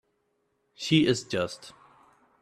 She is just.